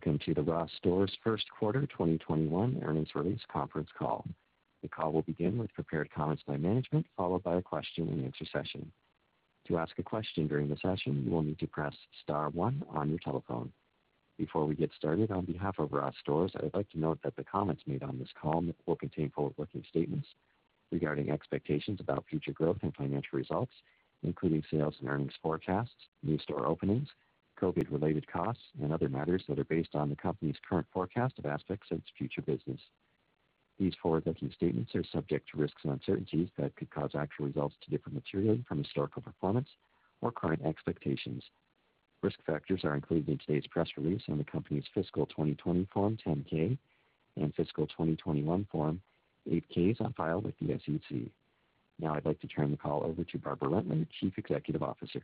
Good afternoon, welcome to the Ross Stores first quarter 2021 earnings release conference call. The call will begin with prepared comments by management, followed by a question and answer session. To ask a question during the session, you will need to press star one on your telephone. Before we get started, on behalf of Ross Stores, I'd like to note that the comments made on this call will contain forward-looking statements regarding expectations about future growth and financial results, including sales and earnings forecasts, new store openings, COVID-related costs, and other matters that are based on the company's current forecast of aspects of its future business. These forward-looking statements are subject to risks and uncertainties that could cause actual results to differ materially from historical performance or current expectations. Risk factors are included in today's press release and the company's fiscal 2020 Form 10-K and fiscal 2021 Form 8-K is on file with the SEC. I'd like to turn the call over to Barbara Rentler, Chief Executive Officer.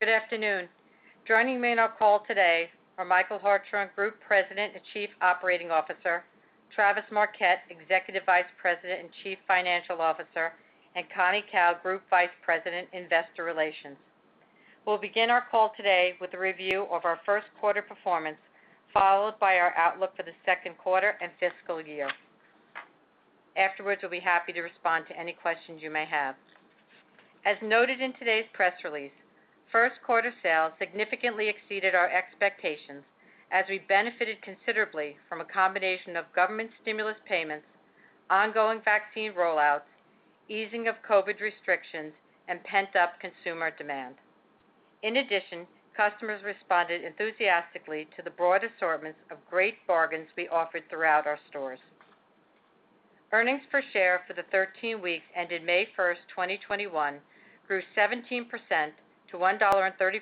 Good afternoon. Joining me on our call today are Michael Hartshorn, Group President and Chief Operating Officer, Travis Marquette, Executive Vice President and Chief Financial Officer, and Connie Kao, Group Vice President, Investor Relations. We'll begin our call today with a review of our first quarter performance, followed by our outlook for the second quarter and fiscal year. Afterwards, we'll be happy to respond to any questions you may have. As noted in today's press release, first quarter sales significantly exceeded our expectations as we benefited considerably from a combination of government stimulus payments, ongoing vaccine rollouts, easing of COVID-19 restrictions, and pent-up consumer demand. In addition, customers responded enthusiastically to the broad assortments of great bargains we offered throughout our stores. Earnings per share for the 13 weeks ended May 1, 2021, grew 17% to $1.34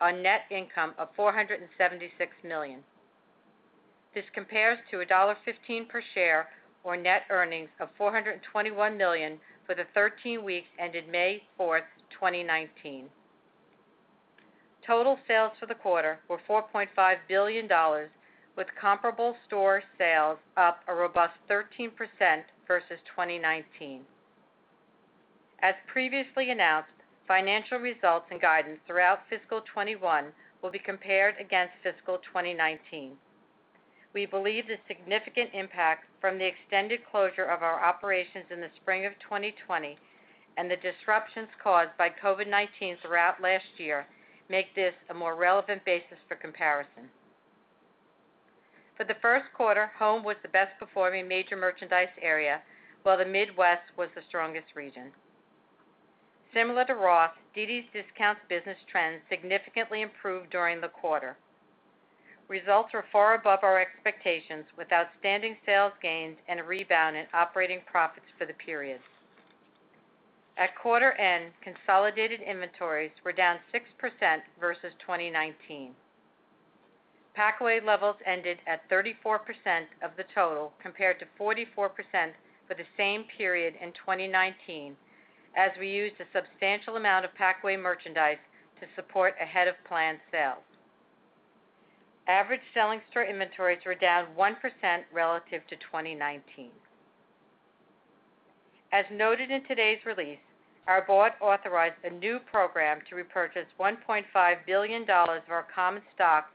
on net income of $476 million. This compares to $1.15 per share or net earnings of $421 million for the 13 weeks ended May 4th, 2019. Total sales for the quarter were $4.5 billion with comparable store sales up a robust 13% versus 2019. As previously announced, financial results and guidance throughout fiscal 2021 will be compared against fiscal 2019. We believe the significant impact from the extended closure of our operations in the spring of 2020 and the disruptions caused by COVID-19 throughout last year make this a more relevant basis for comparison. For the first quarter, home was the best performing major merchandise area, while the Midwest was the strongest region. Similar to Ross, dd's DISCOUNTS business trends significantly improved during the quarter. Results were far above our expectations with outstanding sales gains and a rebound in operating profits for the period. At quarter end, consolidated inventories were down 6% versus 2019. Packaway levels ended at 34% of the total compared to 44% for the same period in 2019, as we used a substantial amount of packaway merchandise to support ahead-of-plan sales. Average selling store inventories were down 1% relative to 2019. As noted in today's release, our board authorized a new program to repurchase $1.5 billion of our common stock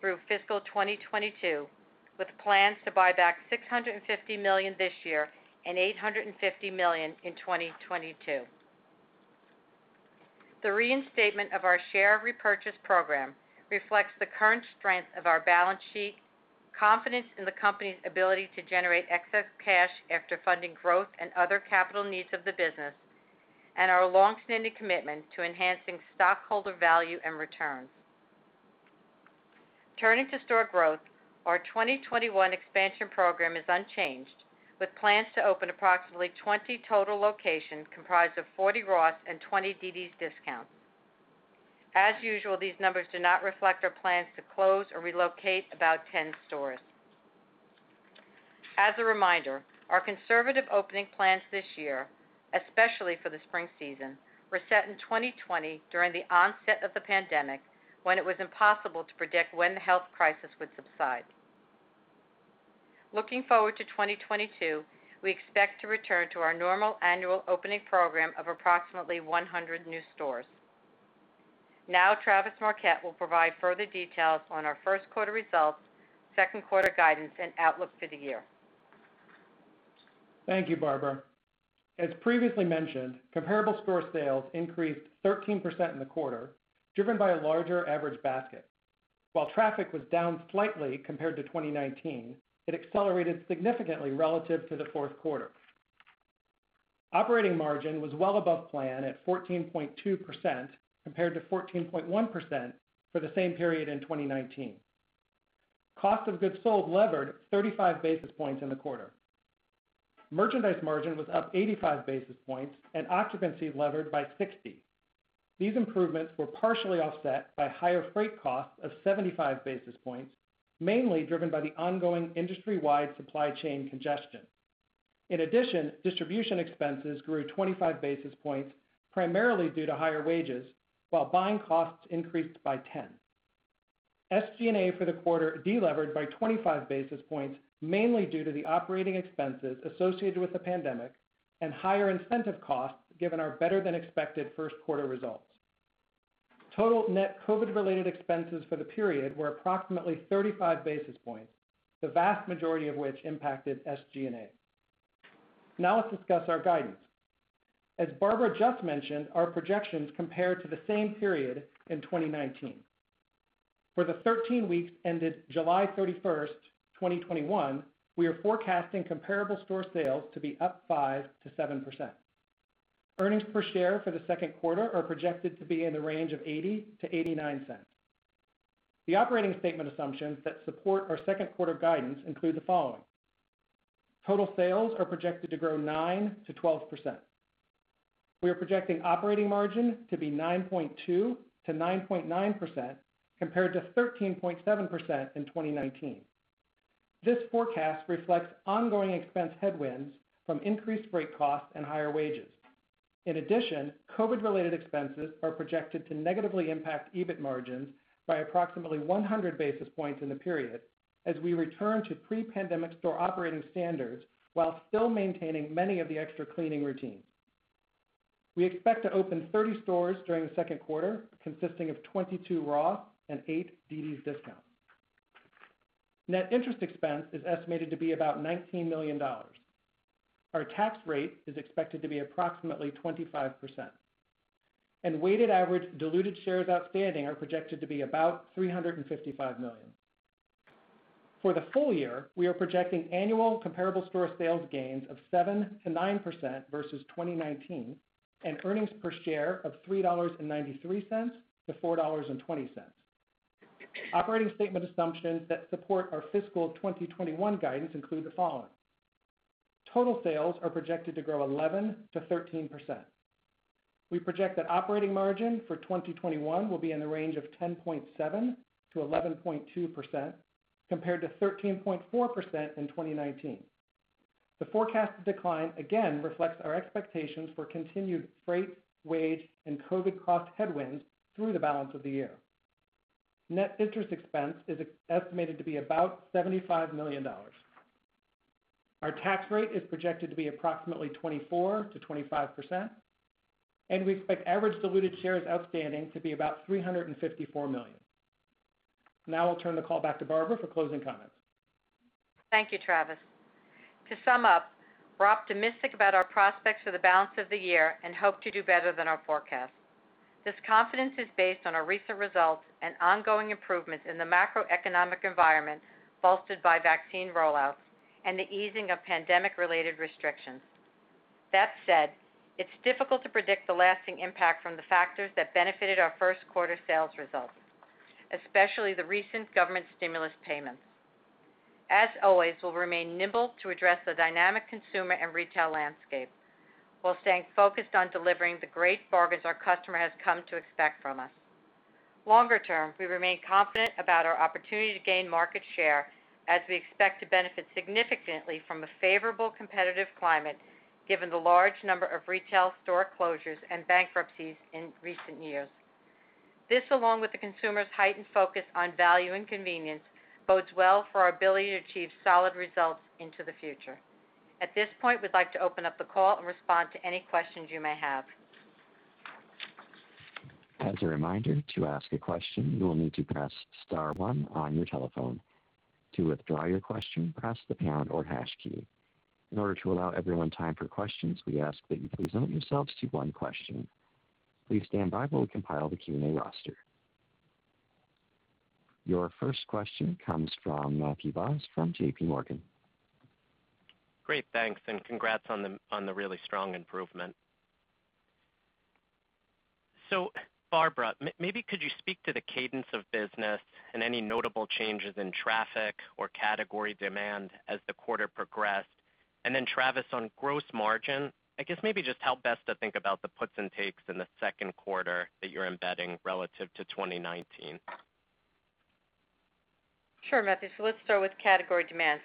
through fiscal 2022, with plans to buy back $650 million this year and $850 million in 2022. The reinstatement of our share repurchase program reflects the current strength of our balance sheet, confidence in the company's ability to generate excess cash after funding growth and other capital needs of the business, and our longstanding commitment to enhancing stockholder value and returns. Turning to store growth, our 2021 expansion program is unchanged, with plans to open approximately 20 total locations comprised of 40 Ross and 20 dd's DISCOUNTS. As usual, these numbers do not reflect our plans to close or relocate about 10 stores. As a reminder, our conservative opening plans this year, especially for the spring season, were set in 2020 during the onset of the pandemic when it was impossible to predict when the health crisis would subside. Looking forward to 2022, we expect to return to our normal annual opening program of approximately 100 new stores. Now, Travis Marquette will provide further details on our first quarter results, second quarter guidance, and outlook for the year. Thank you, Barbara. As previously mentioned, comparable store sales increased 13% in the quarter, driven by a larger average basket. While traffic was down slightly compared to 2019, it accelerated significantly relative to the fourth quarter. Operating margin was well above plan at 14.2% compared to 14.1% for the same period in 2019. Cost of goods sold levered 35 basis points in the quarter. Merchandise margin was up 85 basis points and occupancy levered by 60. These improvements were partially offset by higher freight costs of 75 basis points, mainly driven by the ongoing industry-wide supply chain congestion. In addition, distribution expenses grew 25 basis points, primarily due to higher wages, while buying costs increased by 10. SG&A for the quarter delevered by 25 basis points, mainly due to the operating expenses associated with the pandemic and higher incentive costs given our better than expected first quarter results. Total net COVID-19 related expenses for the period were approximately 35 basis points, the vast majority of which impacted SG&A. Let's discuss our guidance. As Barbara just mentioned, our projections compared to the same period in 2019. For the 13 weeks ended July 31st, 2021, we are forecasting comparable store sales to be up 5%-7%. Earnings per share for the second quarter are projected to be in the range of $0.80-$0.89. The operating statement assumptions that support our second quarter guidance include the following. Total sales are projected to grow 9%-12%. We are projecting operating margin to be 9.2%-9.9%, compared to 13.7% in 2019. This forecast reflects ongoing expense headwinds from increased rate costs and higher wages. In addition, COVID-related expenses are projected to negatively impact EBIT margins by approximately 100 basis points in the period, as we return to pre-pandemic store operating standards while still maintaining many of the extra cleaning routines. We expect to open 30 stores during the second quarter, consisting of 22 Ross and eight dd's DISCOUNTS. Net interest expense is estimated to be about $19 million. Our tax rate is expected to be approximately 25%. Weighted average diluted shares outstanding are projected to be about 355 million. For the full year, we are projecting annual comparable store sales gains of 7%-9% versus 2019, and earnings per share of $3.93-$4.20. Operating statement assumptions that support our fiscal 2021 guidance include the following. Total sales are projected to grow 11%-13%. We project that operating margin for 2021 will be in the range of 10.7% to 11.2%, compared to 13.4% in 2019. The forecasted decline again reflects our expectations for continued freight, wage, and COVID cost headwinds through the balance of the year. Net interest expense is estimated to be about $75 million. Our tax rate is projected to be approximately 24% to 25%, and we expect average diluted shares outstanding to be about 354 million. Now I'll turn the call back to Barbara for closing comments. Thank you, Travis. To sum up, we're optimistic about our prospects for the balance of the year and hope to do better than our forecast. This confidence is based on our recent results and ongoing improvements in the macroeconomic environment, bolstered by vaccine rollouts and the easing of pandemic related restrictions. That said, it's difficult to predict the lasting impact from the factors that benefited our first quarter sales results, especially the recent government stimulus payments. As always, we'll remain nimble to address the dynamic consumer and retail landscape while staying focused on delivering the great bargains our customer has come to expect from us. Longer term, we remain confident about our opportunity to gain market share as we expect to benefit significantly from a favorable competitive climate given the large number of retail store closures and bankruptcies in recent years. This, along with the consumer's heightened focus on value and convenience, bodes well for our ability to achieve solid results into the future. At this point, we'd like to open up the call and respond to any questions you may have. As a reminder, to ask a question, you will need to press star one on your telephone. To withdraw your question, press the pound or hash key. In order to allow everyone time for questions, we ask that you please limit yourselves to one question. Please stand by while we compile the Q&A roster. Your first question comes from Matthew Boss from JPMorgan. Great, thanks, and congrats on the really strong improvement. Barbara, maybe could you speak to the cadence of business and any notable changes in traffic or category demand as the quarter progressed? Travis, on gross margin, I guess maybe just help us to think about the puts and takes in the second quarter that you're embedding relative to 2019. Sure, Matthew. Let's start with category demand.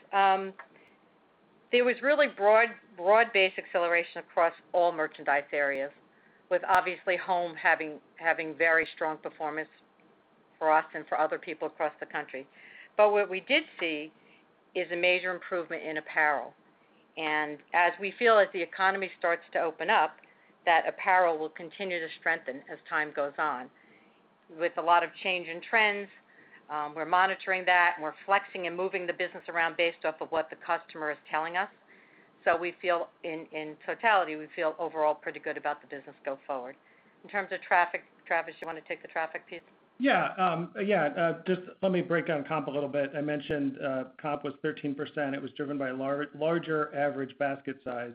It was really broad-based acceleration across all merchandise areas with obviously home having very strong performance for us and for other people across the country. What we did see is a major improvement in apparel, and as we feel like the economy starts to open up, that apparel will continue to strengthen as time goes on. With a lot of change in trends, we're monitoring that and we're flexing and moving the business around based off of what the customer is telling us. We feel in totality, we feel overall pretty good about the business going forward. In terms of traffic, Travis, you want to take the traffic piece? Yeah. Just let me break down comp a little bit. I mentioned comp was 13%. It was driven by larger average basket size.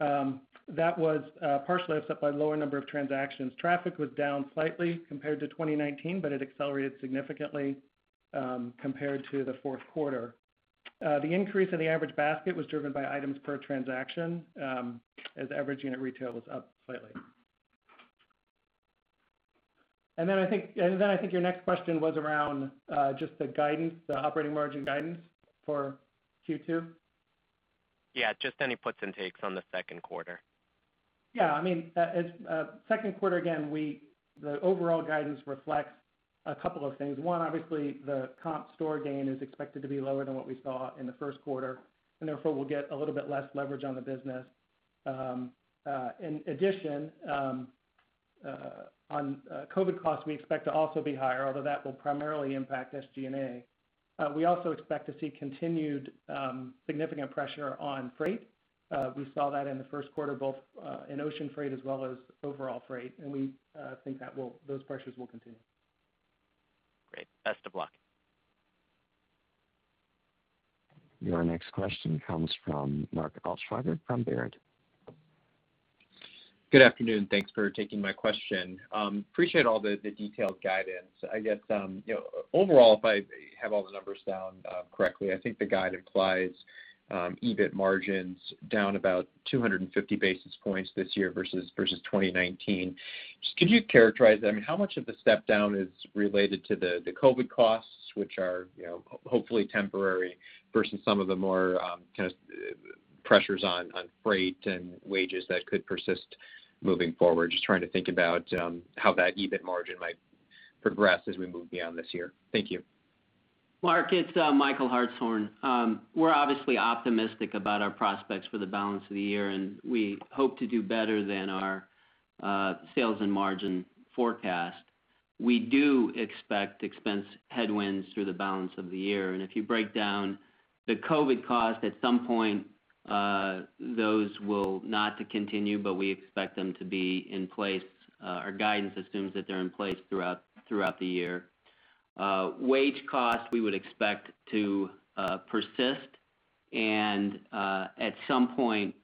That was partially offset by a lower number of transactions. Traffic was down slightly compared to 2019. It accelerated significantly, compared to the fourth quarter. The increase in the average basket was driven by items per transaction, as average unit retail was up slightly. I think your next question was around just the guidance, the operating margin guidance for Q2? Yeah, just any puts and takes on the second quarter? Second quarter, again, the overall guidance reflects a couple of things. One, obviously, the comp store gain is expected to be lower than what we saw in the first quarter, and therefore we'll get a little bit less leverage on the business. In addition, on COVID-19 costs, we expect to also be higher, although that will primarily impact SG&A. We also expect to see continued significant pressure on freight. We saw that in the first quarter, both in ocean freight as well as overall freight, and we think those pressures will continue. Great. Best of luck. Your next question comes from Mark Altschwager from Baird. Good afternoon. Thanks for taking my question. Appreciate all the detailed guidance. I guess, overall, if I have all the numbers down correctly, I think the guide implies EBIT margins down about 250 basis points this year versus 2019. Just could you characterize that? I mean, how much of the step-down is related to the COVID-19 costs, which are hopefully temporary, versus some of the more just pressures on freight and wages that could persist moving forward? Just trying to think about how that EBIT margin might progress as we move beyond this year. Thank you. Mark, it's Michael Hartshorn. We're obviously optimistic about our prospects for the balance of the year, and we hope to do better than our sales and margin forecast. We do expect expense headwinds through the balance of the year. If you break down the COVID-19 costs, at some point, those will not continue, but our guidance assumes that they're in place throughout the year. Wage costs we would expect to persist, and at some point,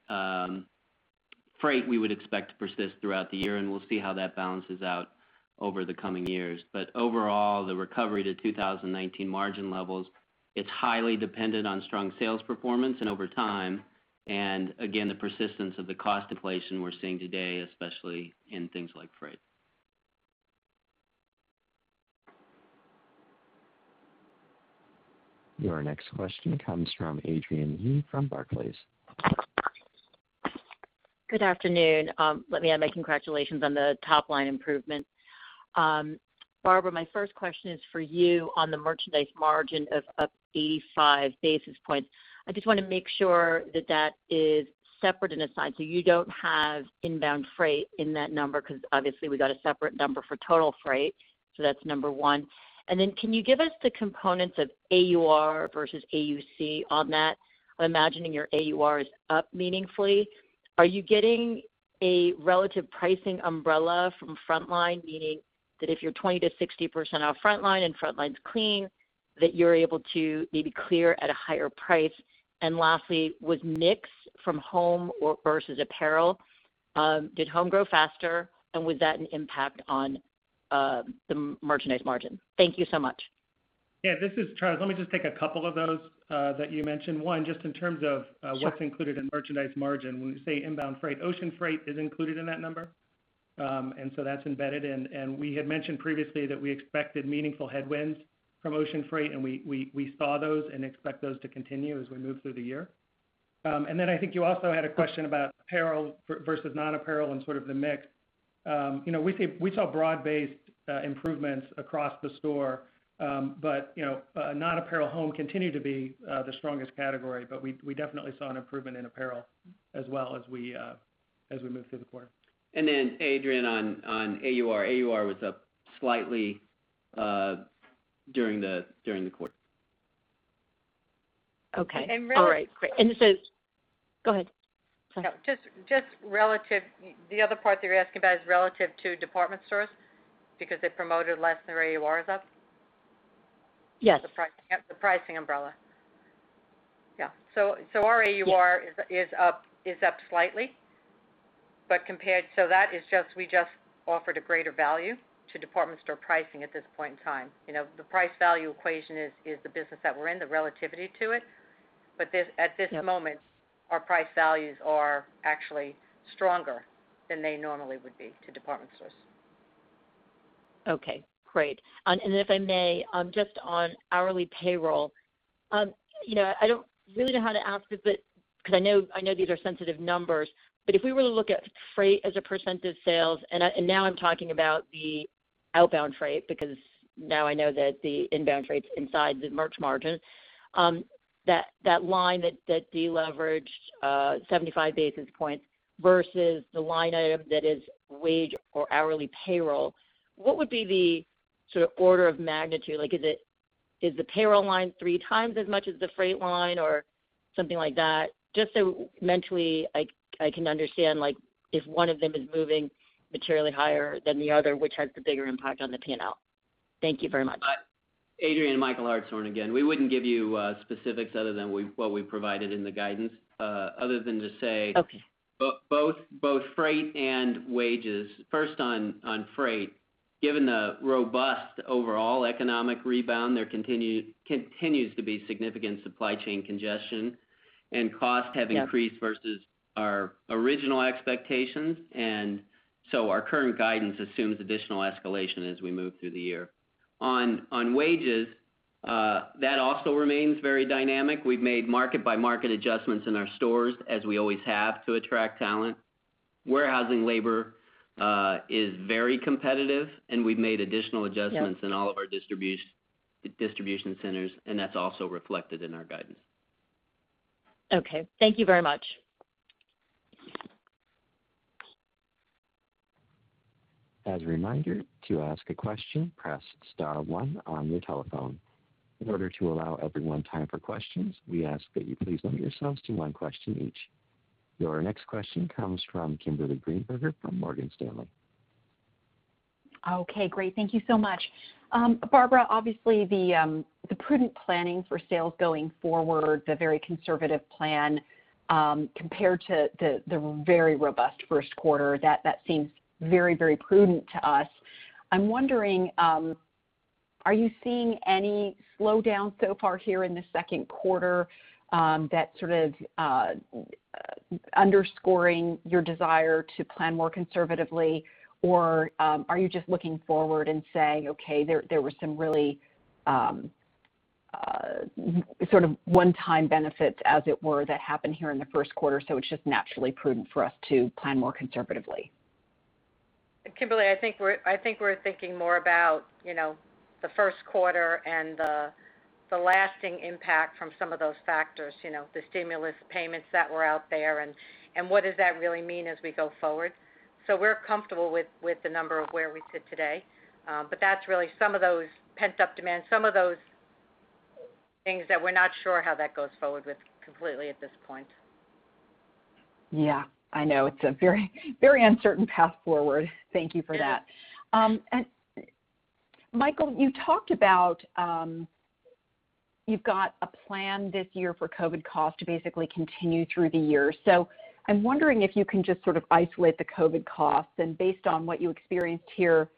freight we would expect to persist throughout the year, and we'll see how that balances out over the coming years. Overall, the recovery to 2019 margin levels, it's highly dependent on strong sales performance and over time, and again, the persistence of the cost deflation we're seeing today, especially in things like freight. Your next question comes from Adrienne Yih from Barclays. Good afternoon. Let me add my congratulations on the top-line improvement. Barbara, my first question is for you on the merchandise margin of up 85 basis points. I just want to make sure that that is separate and aside. You don't have inbound freight in that number because obviously we got a separate number for total freight. Can you give us the components of AUR versus AUC on that? I'm imagining your AUR is up meaningfully. Are you getting a relative pricing umbrella from frontline, meaning that if you're 20%-60% on frontline and frontline's clean, that you're able to maybe clear at a higher price? Lastly, with mix from home versus apparel, did home grow faster? Was that an impact on the merchandise margin? Thank you so much. Yeah, this is Travis. Let me just take a couple of those that you mentioned. Sure what's included in merchandise margin. We say inbound freight, ocean freight is included in that number. That's embedded in. We had mentioned previously that we expected meaningful headwinds from ocean freight, and we saw those and expect those to continue as we move through the year. I think you also had a question about apparel versus non-apparel and sort of the mix. We saw broad-based improvements across the store. Non-apparel home continued to be the strongest category, but we definitely saw an improvement in apparel as well as we moved through the quarter. Adrienne on AUR. AUR was up slightly during the quarter. Okay. All right. Go ahead. Just the other part that you're asking about is relative to department stores because they promoted less than AURs up? Yes. The pricing umbrella. Yeah. Our AUR is up slightly. We just offered a greater value to department store pricing at this point in time. The price value equation is the business that we're in, the relativity to it. At this moment, our price values are actually stronger than they normally would be to department stores. Okay, great. If I may, just on hourly payroll. I don't really know how to ask this, because I know these are sensitive numbers. If we were to look at freight as a percentage of sales, and now I'm talking about the outbound freight, because now I know that the inbound freight's inside the merch margins. That line that deleveraged 75 basis points versus the line item that is wage or hourly payroll. What would be the sort of order of magnitude? Is the payroll line three times as much as the freight line or something like that? Just so mentally I can understand, if one of them is moving materially higher than the other, which has the bigger impact on the P&L? Thank you very much. Adrienne, Michael Hartshorn again. We wouldn't give you specifics other than what we provided in the guidance. Okay both freight and wages. First on freight, given the robust overall economic rebound, there continues to be significant supply chain congestion, and costs have increased versus our original expectations. Our current guidance assumes additional escalation as we move through the year. On wages, that also remains very dynamic. We've made market-by-market adjustments in our stores, as we always have, to attract talent. Warehousing labor is very competitive, and we've made additional adjustments. Yep in all of our distribution centers, and that's also reflected in our guidance. Okay. Thank you very much. As a reminder, to ask a question, press star one on your telephone. In order to allow everyone time for questions, we ask that you please limit yourselves to one question each. Your next question comes from Kimberly Greenberger from Morgan Stanley. Okay, great. Thank you so much. Barbara, obviously the prudent planning for sales going forward, the very conservative plan compared to the very robust first quarter, that seems very, very prudent to us. I'm wondering, are you seeing any slowdown so far here in the second quarter that's underscoring your desire to plan more conservatively, or are you just looking forward and saying, Okay, there was some really one-time benefits, as it were, that happened here in the first quarter, so it's just naturally prudent for us to plan more conservatively? Kimberly, I think we're thinking more about the first quarter and the lasting impact from some of those factors. The stimulus payments that were out there, and what does that really mean as we go forward. We're comfortable with the number of where we sit today. That's really some of those pent-up demands, some of those things that we're not sure how that goes forward with completely at this point. Yeah, I know. It's a very uncertain path forward. Thank you for that. Michael, you talked about you've got a plan this year for COVID cost to basically continue through the year. I'm wondering if you can just isolate the COVID cost, and based on what you experienced here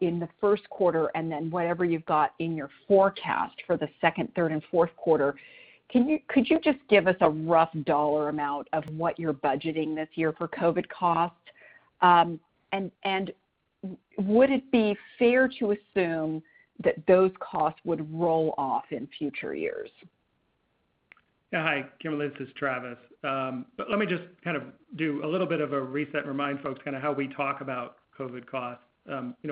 in the first quarter, and then whatever you've got in your forecast for the second, third, and fourth quarter, could you just give us a rough dollar amount of what you're budgeting this year for COVID cost? Would it be fair to assume that those costs would roll off in future years? Yeah, hi, Kimberly, this is Travis. Let me just do a little bit of a reset and remind folks how we talk about COVID costs.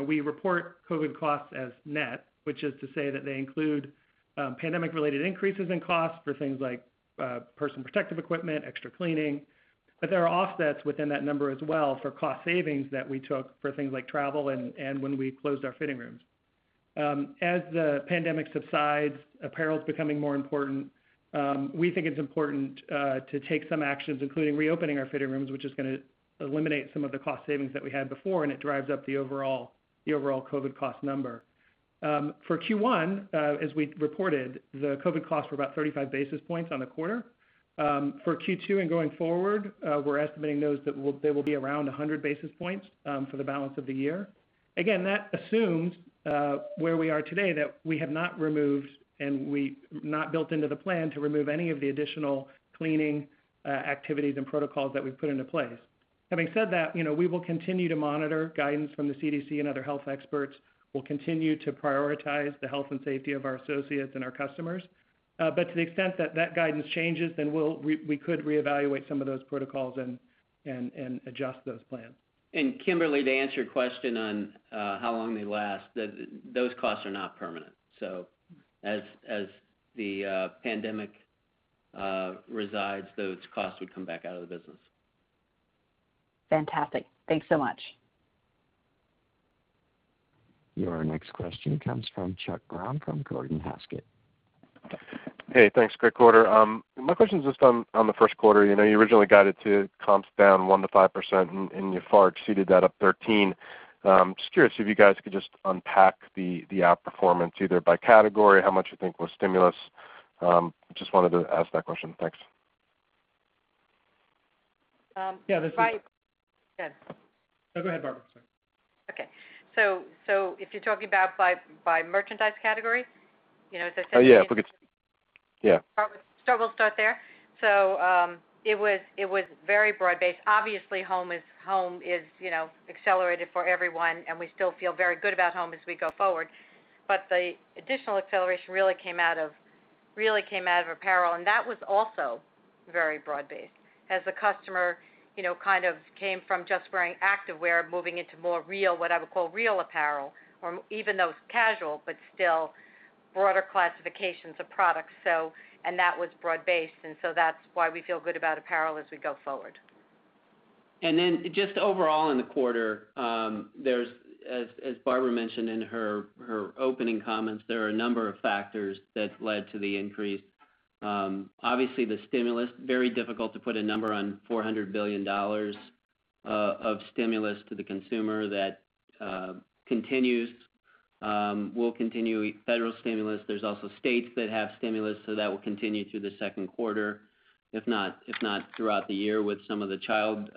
We report COVID costs as net, which is to say that they include pandemic-related increases in costs for things like personal protective equipment, extra cleaning. There are offsets within that number as well for cost savings that we took for things like travel and when we closed our fitting rooms. As the pandemic subsides, apparel is becoming more important. We think it's important to take some actions, including reopening our fitting rooms, which is going to eliminate some of the cost savings that we had before, and it drives up the overall COVID cost number. For Q1, as we reported, the COVID costs were about 35 basis points on the quarter. For Q2 and going forward, we're estimating those that will be around 100 basis points for the balance of the year. Again, that assumes where we are today, that we have not removed, and we've not built into the plan to remove any of the additional cleaning activities and protocols that we've put into place. Having said that, we will continue to monitor guidance from the CDC and other health experts. We'll continue to prioritize the health and safety of our associates and our customers. To the extent that that guidance changes, then we could reevaluate some of those protocols and adjust those plans. Kimberly, to answer your question on how long they last, those costs are not permanent. As the pandemic resides, those costs will come back out of the business. Fantastic. Thanks so much. Your next question comes from Chuck Grom from Gordon Haskett. Hey, thanks. Great quarter. My question is just on the first quarter. You originally guided to comp spend 1%-5%, you far exceeded that, up 13%. Just curious if you guys could just unpack the outperformance, either by category or how much you think was stimulus. Just wanted to ask that question. Thanks. Mike. Yeah, this is Mike. Go ahead, Barbara. Okay. If you're talking about by merchandise category? Yeah. Struggled to start there. It was very broad-based. Obviously, home is accelerated for everyone, and we still feel very good about home as we go forward. The additional acceleration really came out of apparel, and that was also very broad based. As the customer came from just wearing activewear, moving into more what I would call real apparel, or even those casual, but still broader classifications of products. That was broad based, and so that's why we feel good about apparel as we go forward. Just overall in the quarter, as Barbara mentioned in her opening comments, there are a number of factors that led to the increase. Obviously, the stimulus. Very difficult to put a number on $400 billion of stimulus to the consumer that will continue. Federal stimulus, there's also states that have stimulus, so that will continue through the second quarter, if not throughout the year with some of the child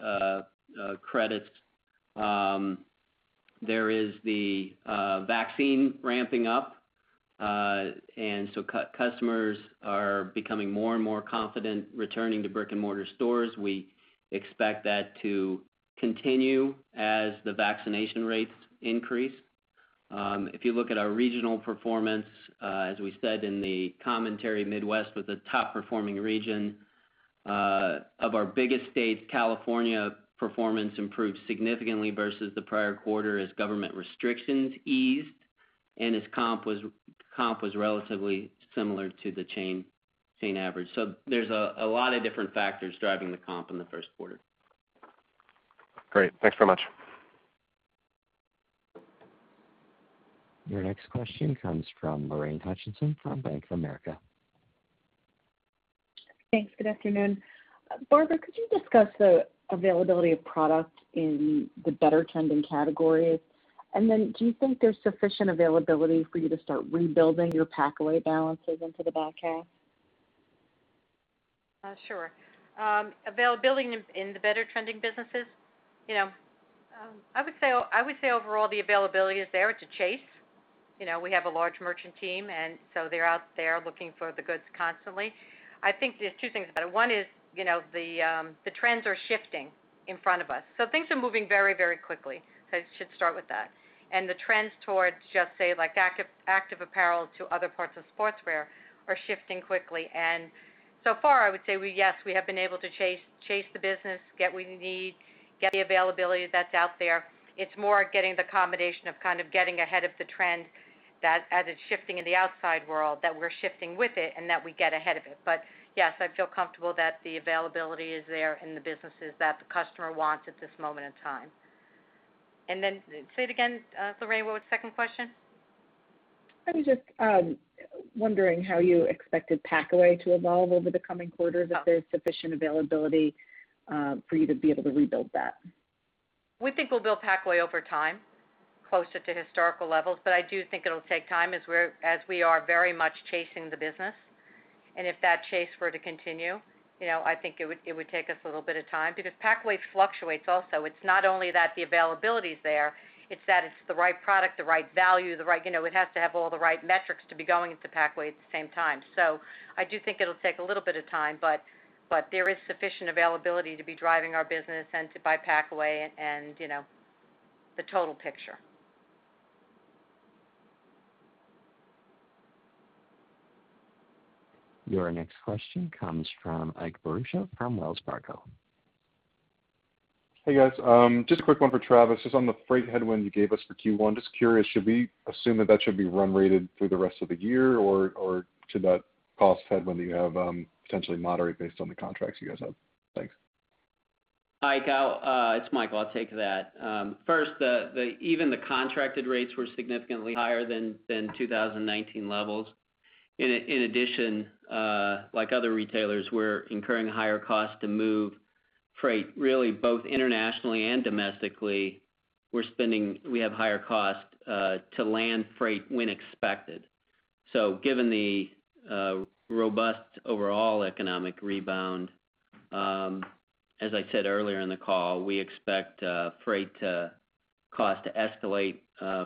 credits. There is the vaccine ramping up, customers are becoming more and more confident returning to brick-and-mortar stores. We expect that to continue as the vaccination rates increase. If you look at our regional performance, as we said in the commentary, Midwest was the top-performing region. Of our biggest states, California performance improved significantly versus the prior quarter as government restrictions eased and as comp was relatively similar to the chain average. There's a lot of different factors driving the comp in the first quarter. Great. Thanks so much. Your next question comes from Lorraine Hutchinson from Bank of America. Thanks. Good afternoon. Barbara, could you discuss the availability of product in the better-trending category? Do you think there's sufficient availability for you to start rebuilding your packaway balances into the back half? Sure. Availability in the better-trending businesses, I would say overall, the availability is there to chase. We have a large merchant team, and so they're out there looking for the goods constantly. I think there's two things. One is the trends are shifting in front of us. Things are moving very, very quickly. I should start with that. The trends towards just say active apparel to other parts of sportswear are shifting quickly. So far, I would say yes, we have been able to chase the business, get what we need, get the availability that's out there. It's more getting the combination of getting ahead of the trend as it's shifting in the outside world, that we're shifting with it, and that we get ahead of it. Yes, I feel comfortable that the availability is there in the businesses that the customer wants at this moment in time. Say it again, Lorraine, what was the second question? I'm just wondering how you expect packaway to evolve over the coming quarters. Is there sufficient availability for you to be able to rebuild that? We think we'll build packaway over time close to historical levels, but I do think it'll take time as we are very much chasing the business. If that chase were to continue, I think it would take us a little bit of time because packaway fluctuates also. It's not only that the availability's there, it's that it's the right product, the right value. We'd have to have all the right metrics to be going into packaway at the same time. I do think it'll take a little bit of time, but there is sufficient availability to be driving our business and to buy packaway and the total picture. Your next question comes from Ike Boruchow from Wells Fargo. Hey, guys. Just a quick one for Travis. Just on the freight headwind you gave us for Q1, just curious, should we assume that should be run rated through the rest of the year, or should that cost headwind potentially moderate based on the contracts you guys have? Thanks. Ike, it's Michael. I'll take that. First, even the contracted rates were significantly higher than 2019 levels. In addition, like other retailers, we're incurring higher costs to move freight, really both internationally and domestically. We have higher costs to land freight when expected. Given the robust overall economic rebound, as I said earlier in the call, we expect freight cost to escalate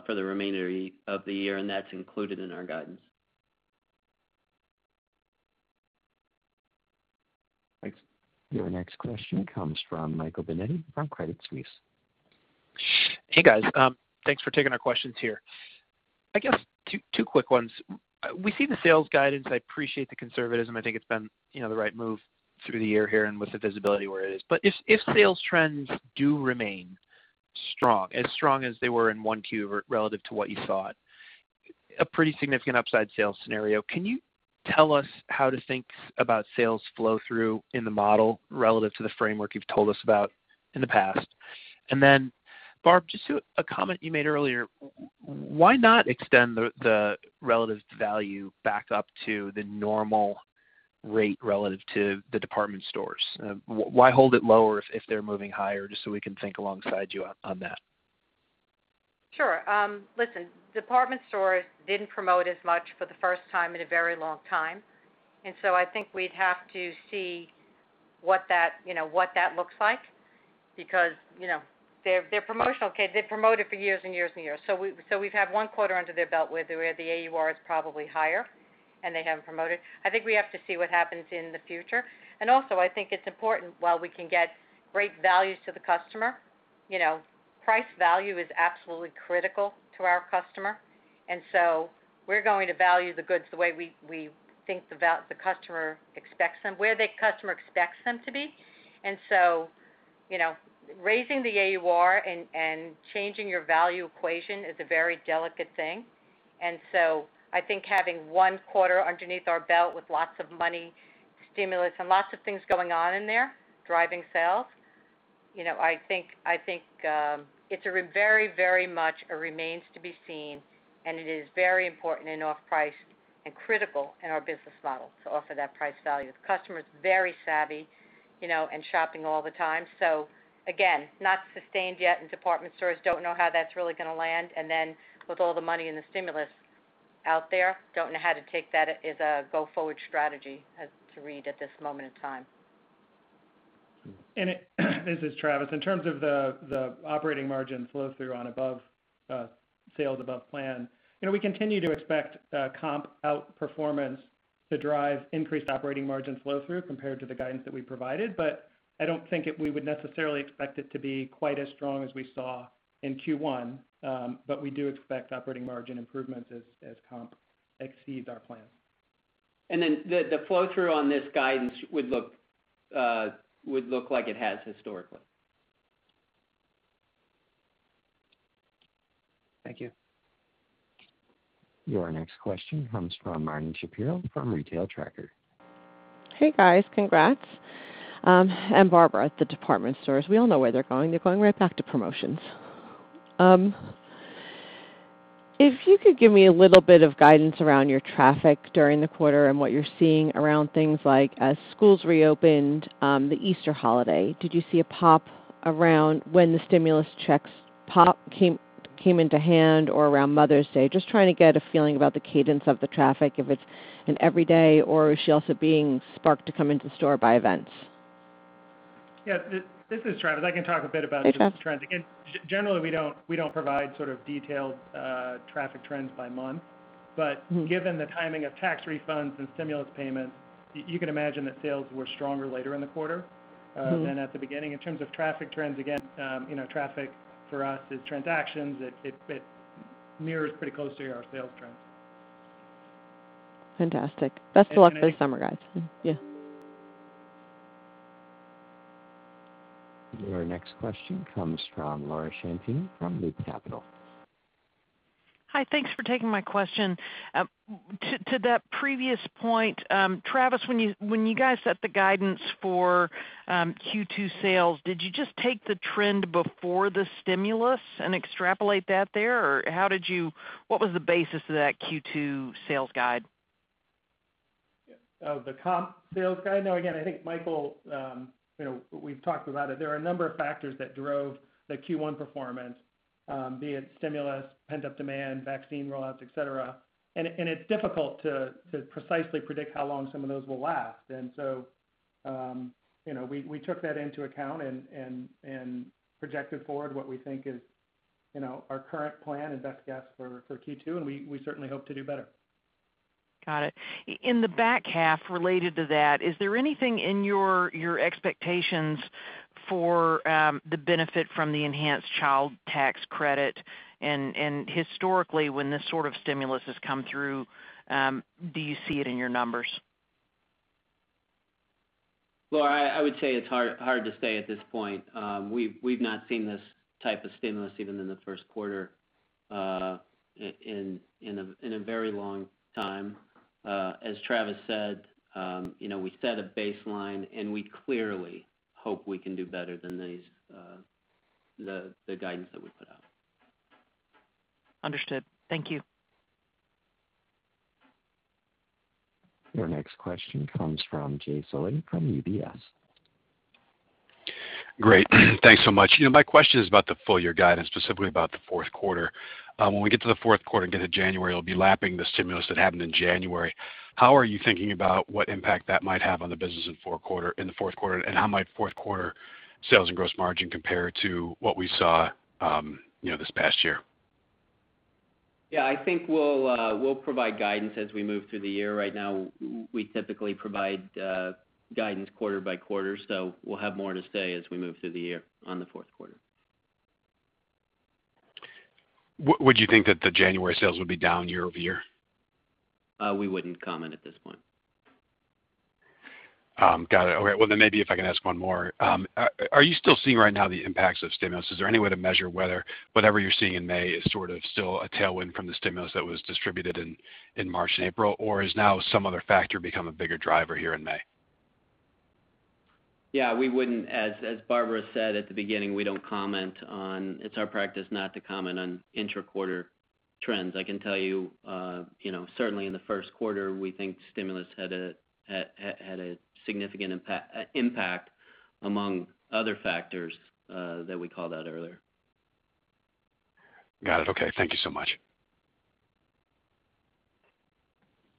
for the remainder of the year, and that's included in our guidance. Thanks. Your next question comes from Michael Binetti from Credit Suisse. Hey, guys. Thanks for taking our questions here. I guess two quick ones. We see the sales guidance. I appreciate the conservatism. I think it's been the right move through the year here and with the visibility where it is. If sales trends do remain strong, as strong as they were in Q1 relative to what you thought, a pretty significant upside sales scenario. Can you tell us how to think about sales flow through in the model relative to the framework you've told us about in the past? Barb, just a comment you made earlier, why not extend the relative value back up to the normal rate relative to the department stores? Why hold it lower if they're moving higher, just so we can think alongside you on that? Sure. Listen, department stores didn't promote as much for the first time in a very long time. I think we'd have to see what that looks like because they're a promotional kid. They promoted for years and years. We'd have one quarter under their belt where the AUR is probably higher and they haven't promoted. I think we have to see what happens in the future. Also, I think it's important while we can get great value to the customer. Price value is absolutely critical to our customer. We're going to value the goods the way we think the customer expects them, where the customer expects them to be. Raising the AUR and changing your value equation is a very delicate thing. I think having one quarter underneath our belt with lots of money, stimulus, and lots of things going on in there, driving sales, I think it very much remains to be seen, and it is very important in our price and critical in our business model to offer that price value. The customer is very savvy and shopping all the time. Again, not sustained yet in department stores. Don't know how that's really going to land. Then with all the money in the stimulus out there, don't know how to take that as a go-forward strategy to read at this moment in time. This is Travis. In terms of the operating margin flow-through on sales above plan, we continue to expect comp outperformance to drive increased operating margin flow-through compared to the guidance that we provided. I don't think we would necessarily expect it to be quite as strong as we saw in Q1. We do expect operating margin improvements as comp exceeds our plan. The flow-through on this guidance would look like it has historically. Thank you. Your next question comes from Marni Shapiro from Retail Tracker. Hey, guys. Congrats. Barbara, at the department stores, we all know where they're going. They're going right back to promotions. If you could give me a little bit of guidance around your traffic during the quarter and what you're seeing around things like schools reopened, the Easter holiday. Did you see a pop around when the stimulus checks came into hand or around Mother's Day? Just trying to get a feeling about the cadence of the traffic, if it's an every day or is she also being sparked to come into store by events? Yeah. This is Travis. I can talk a bit about- Thanks, Travis. the trends. Generally, we don't provide detailed traffic trends by month. Given the timing of tax refunds and stimulus payments, you can imagine that sales were stronger later in the quarter than at the beginning. In terms of traffic trends, again, traffic for us is transactions. It mirrors pretty closely to our sales trends. Fantastic. Best of luck for the summer, guys. Yeah. Your next question comes from Laura Champine from Loop Capital. Hi. Thanks for taking my question. To that previous point, Travis, when you guys set the guidance for Q2 sales, did you just take the trend before the stimulus and extrapolate that there? What was the basis of that Q2 sales guide? Of the comp sales guide? Again, I think Michael, we've talked about it. There are a number of factors that drove the Q1 performance, be it stimulus, pent-up demand, vaccine roll-outs, et cetera. It's difficult to precisely predict how long some of those will last. We took that into account and projected forward what we think is our current plan and best guess for Q2, and we certainly hope to do better. Got it. In the back half related to that, is there anything in your expectations for the benefit from the enhanced child tax credit? Historically, when this sort of stimulus has come through, do you see it in your numbers? Laura, I would say it's hard to say at this point. We've not seen this type of stimulus, even in the first quarter, in a very long time. As Travis said, we set a baseline, and we clearly hope we can do better than the guidance that we put out. Understood. Thank you. Your next question comes from Jay Sole from UBS. Great. Thanks so much. My question is about the full year guidance, specifically about the fourth quarter. When we get to the fourth quarter and get to January, you'll be lapping the stimulus that happened in January. How are you thinking about what impact that might have on the business in the fourth quarter? How might fourth quarter sales and gross margin compare to what we saw this past year? Yeah, I think we'll provide guidance as we move through the year. Right now, we typically provide guidance quarter by quarter, so we'll have more to say as we move through the year on the fourth quarter. Would you think that the January sales will be down year-over-year? We wouldn't comment at this point. Got it. All right. Well, maybe if I can ask one more. Are you still seeing right now the impacts of stimulus? Is there any way to measure whether whatever you're seeing in May is sort of still a tailwind from the stimulus that was distributed in March and April? Has now some other factor become a bigger driver here in May? As Barbara said at the beginning, it's our practice not to comment on inter-quarter trends. I can tell you, certainly in the first quarter, we think stimulus had a significant impact among other factors that we called out earlier. Got it. Okay. Thank you so much.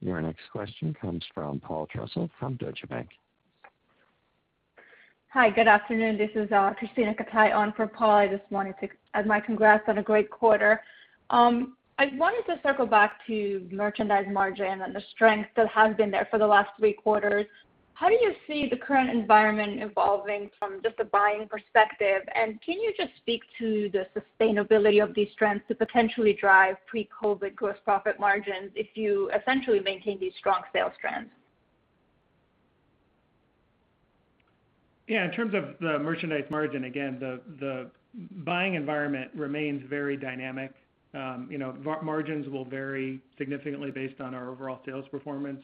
Your next question comes from Paul Trussell from Deutsche Bank. Hi. Good afternoon. This is Krisztina Katai on for Paul. I just wanted to add my congrats on a great quarter. I wanted to circle back to merchandise margin and the strength that has been there for the last three quarters. How do you see the current environment evolving from just a buying perspective? Can you just speak to the sustainability of these trends to potentially drive pre-COVID gross profit margins if you essentially maintain these strong sales trends? Yeah. In terms of the merchandise margin, again, the buying environment remains very dynamic. Margins will vary significantly based on our overall sales performance.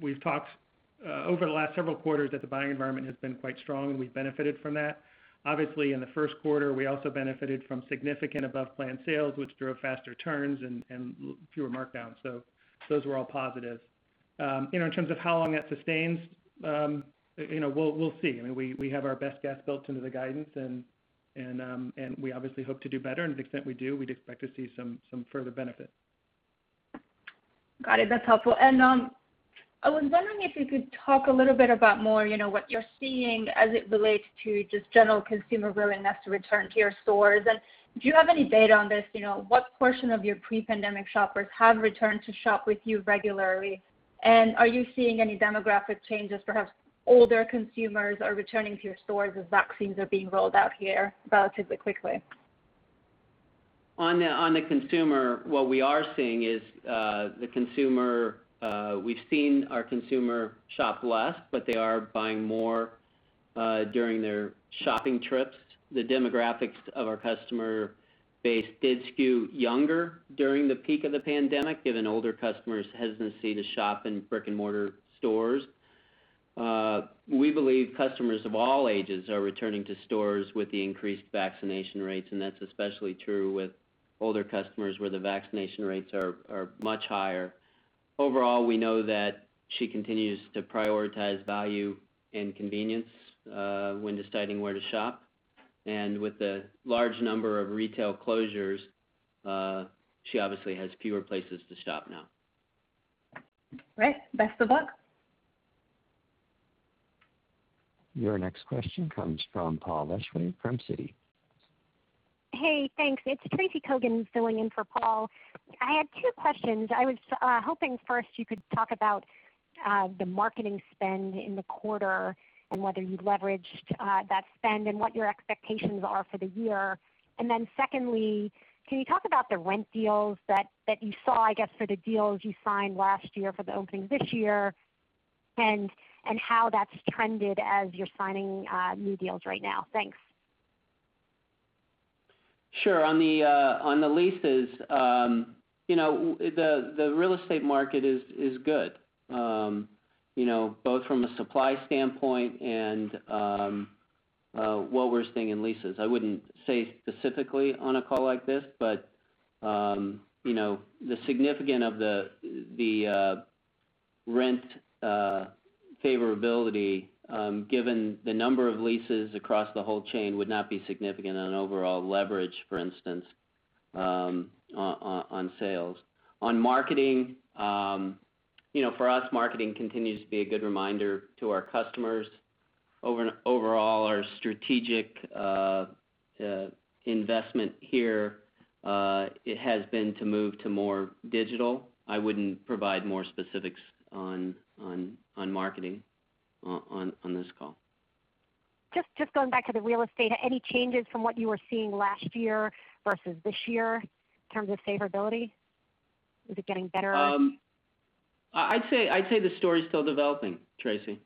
We've talked over the last several quarters that the buying environment has been quite strong, and we've benefited from that. Obviously, in the first quarter, we also benefited from significant above-plan sales, which drove faster turns and fewer markdowns. Those were all positive. In terms of how long that sustains, we'll see. We have our best guess built into the guidance, and we obviously hope to do better. To the extent we do, we'd expect to see some further benefit. Got it. That's helpful. I was wondering if you could talk a little bit about more what you're seeing as it relates to just general consumer willingness to return to your stores. Do you have any data on this? What portion of your pre-pandemic shoppers have returned to shop with you regularly? Are you seeing any demographic changes, perhaps older consumers are returning to your stores as vaccines are being rolled out here relatively quickly? On the consumer, what we are seeing is, we've seen our consumer shop less, but they are buying more during their shopping trips. The demographics of our customer base did skew younger during the peak of the pandemic, given older customers' hesitancy to shop in brick-and-mortar stores. We believe customers of all ages are returning to stores with the increased vaccination rates, and that's especially true with older customers where the vaccination rates are much higher. Overall, we know that she continues to prioritize value and convenience when deciding where to shop. With the large number of retail closures, she obviously has fewer places to shop now. Great. Best of luck. Your next question comes from Paul Lejuez from Citi. Hey, thanks. It's Tracy Kogan filling in for Paul. I had two questions. I was hoping first you could talk about the marketing spend in the quarter and whether you leveraged that spend and what your expectations are for the year. Secondly, can you talk about the rent deals that you saw, I guess, for the deals you signed last year for the openings this year and how that's trended as you're signing new deals right now? Thanks. Sure. On the leases, the real estate market is good, both from a supply standpoint and what we're seeing in leases. I wouldn't say specifically on a call like this, but the significant of the rent favorability given the number of leases across the whole chain would not be significant on overall leverage, for instance, on sales. On marketing, for us, marketing continues to be a good reminder to our customers. Overall, our strategic investment here has been to move to more digital. I wouldn't provide more specifics on marketing on this call. Just going back to the real estate, any changes from what you were seeing last year versus this year in terms of favorability? Is it getting better? I'd say the story's still developing, Tracy.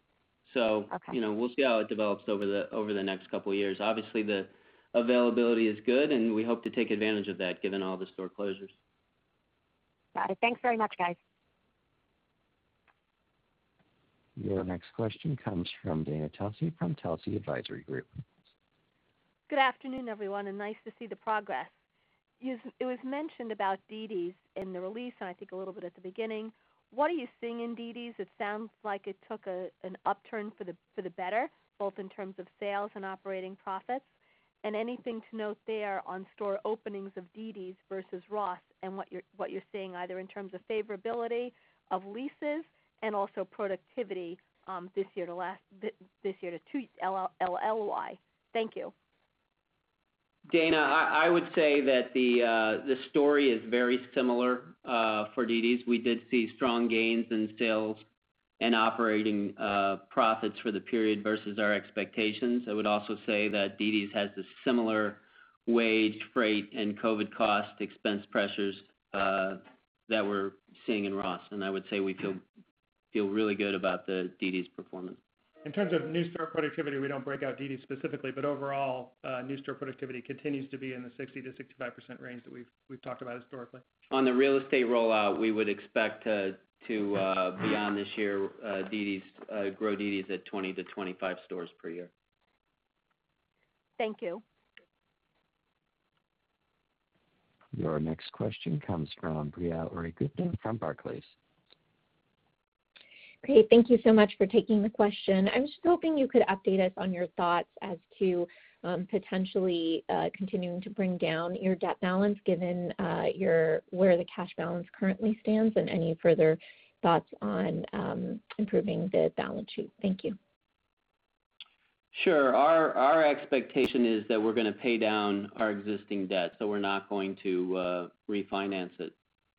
Okay. We'll see how it develops over the next couple of years. Obviously, the availability is good, and we hope to take advantage of that given all the store closures. Got it. Thanks very much, guys. Your next question comes from Dana Telsey from Telsey Advisory Group. Good afternoon, everyone. Nice to see the progress. It was mentioned about dd's in the release, and I think a little bit at the beginning. What are you seeing in dd's? It sounds like it took an upturn for the better, both in terms of sales and operating profits. Anything to note there on store openings of dd's versus Ross and what you're seeing either in terms of favorability of leases and also productivity this year to LY. Thank you. Dana, I would say that the story is very similar for dd's. We did see strong gains in sales and operating profits for the period versus our expectations. I would also say that dd's has a similar wage, freight, and COVID cost expense pressures that we're seeing in Ross. I would say we feel really good about the dd's performance. In terms of new store productivity, we don't break out dd's specifically, but overall, new store productivity continues to be in the 60%-65% range that we've talked about historically. On the real estate rollout, we would expect to, beyond this year, grow dd's at 20-25 stores per year. Thank you. Your next question comes from Priya Ohri-Gupta from Barclays. Priya, thank you so much for taking the question. I'm just hoping you could update us on your thoughts as to potentially continuing to bring down your debt balance given where the cash balance currently stands and any further thoughts on improving the balance sheet. Thank you. Sure. Our expectation is that we're going to pay down our existing debt, so we're not going to refinance it.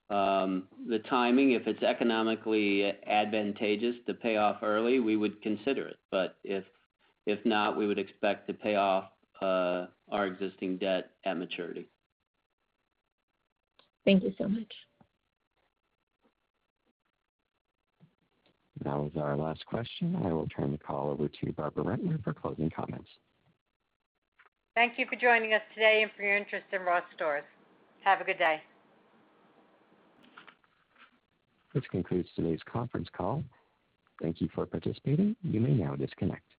The timing, if it's economically advantageous to pay off early, we would consider it. If not, we would expect to pay off our existing debt at maturity. Thank you so much. That was our last question. I will turn the call over to Barbara Rentler for closing comments. Thank you for joining us today and for your interest in Ross Stores. Have a good day. Which concludes today's conference call. Thank you for participating. You may now disconnect.